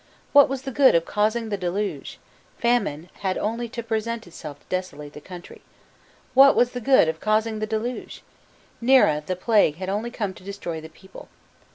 What was the good of causing the deluge? Famine had only to present itself to desolate the country. What was the good of causing the deluge? Nera the Plague had only to come to destroy the people.